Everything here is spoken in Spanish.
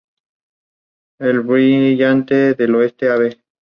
La gracia viene de una familia de músicos.